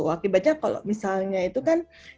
akibatnya kalau misalnya itu kan